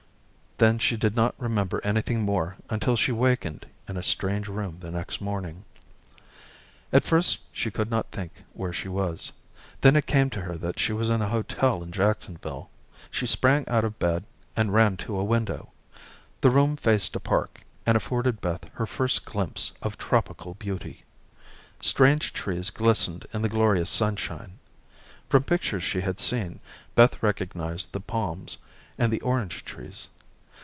Then she did not remember anything more until she wakened in a strange room the next morning. At first, she could not think where she was. Then it came to her that she was in a hotel in Jacksonville. She sprang out of bed, and ran to a window. The room faced a park, and afforded Beth her first glimpse of tropical beauty. Strange trees glistened in the glorious sunshine. From pictures she had seen, Beth recognized the palms, and the orange trees.